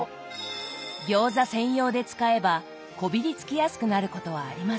餃子専用で使えばこびりつきやすくなることはありません。